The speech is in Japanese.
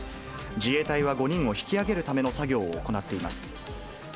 自衛隊は５人を引き揚げるための作業を行っています。